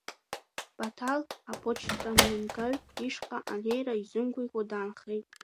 Баҭал апочтамҩангаҩ ишҟа анеира изымгәаӷьуа даанхеит.